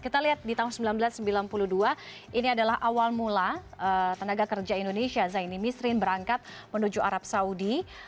kita lihat di tahun seribu sembilan ratus sembilan puluh dua ini adalah awal mula tenaga kerja indonesia zaini misrin berangkat menuju arab saudi